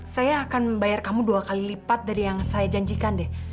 saya akan bayar kamu dua kali lipat dari yang saya janjikan deh